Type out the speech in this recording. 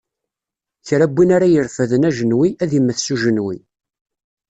Kra n win ara irefden ajenwi, ad immet s ujenwi.